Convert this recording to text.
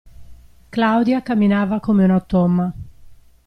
Claudia camminava come un automa.